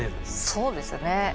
そうですね。